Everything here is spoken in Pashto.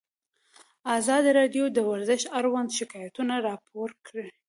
ازادي راډیو د ورزش اړوند شکایتونه راپور کړي.